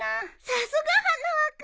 さすが花輪君。